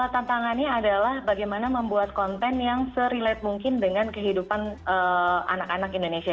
tantangannya adalah bagaimana membuat konten yang serilate mungkin dengan kehidupan anak anak indonesia